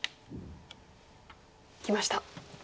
きました。